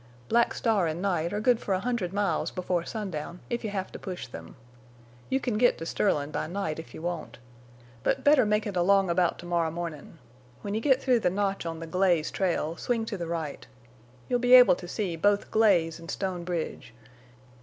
Black Star and Night are good for a hundred miles before sundown, if you have to push them. You can get to Sterlin' by night if you want. But better make it along about to morrow mornin'. When you get through the notch on the Glaze trail, swing to the right. You'll be able to see both Glaze an' Stone Bridge.